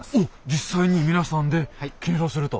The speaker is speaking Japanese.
実際に皆さんで検証すると。